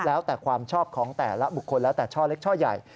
แล้วแต่ความชอบของแต่ละบุคคลแล้วแต่ช่อเล็กช่อใหญ่